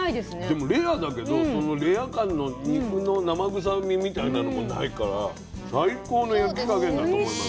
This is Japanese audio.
でもレアだけどそのレア感の肉の生臭みみたいなのもないから最高の焼き加減だと思います。